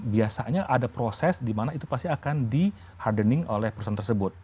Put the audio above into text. biasanya ada proses di mana itu pasti akan di hardening oleh perusahaan tersebut